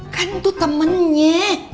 kan itu temennya